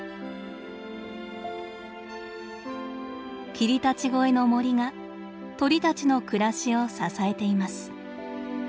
霧立越の森が鳥たちの暮らしを支えています。